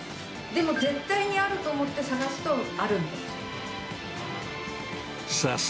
でも絶対にあると思って、探すとあるんです。